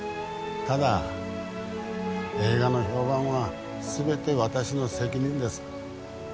ただ映画の評判はすべて私の責任です